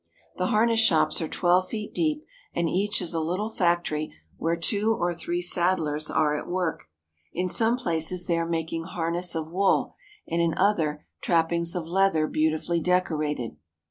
The harness shops are twelve feet deep and each is a little factory where two or three saddlers are at work. In some places they are making harness of wool and in others trappings of leather beautifully decorated.